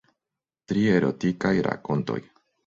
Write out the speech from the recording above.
Tri erotikaj rakontoj.